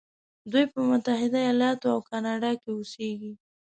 دوی په متحده ایلاتو او کانادا کې اوسیږي.